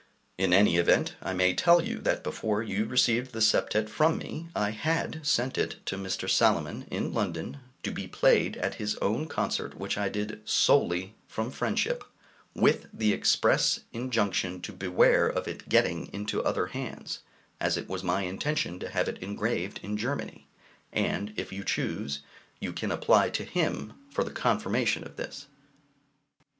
In any event I may tell you that before you received the septet from me I had sent it to Mr. Salomon in London (to be played at his own concert, which I did solely from friendship), with the express injunction to beware of its getting into other hands, as it was my intention to have it engraved in Germany, and, if you choose, you can apply to him for the confirmation of this.